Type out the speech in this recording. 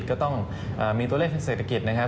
ก็ต้องมีตัวเลขทางเศรษฐกิจนะครับ